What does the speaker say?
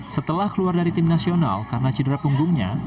setelah keluar dari tim nasional karena cedera punggungnya